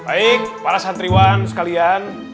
baik para santriwan sekalian